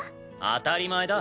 当たり前だ！